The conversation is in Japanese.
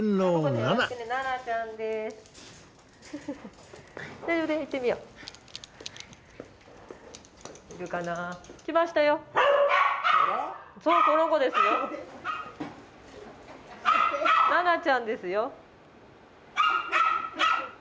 ナナちゃんですよ。